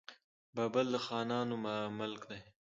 بابل د خانانو ملک دی.